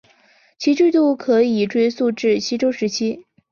其制度可以追溯至西周时期。